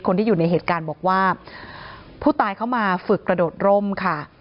คนที่อยู่ในเหตุการณ์บอกว่าผู้ตายเข้ามาฝึกกระโดดร่มค่ะ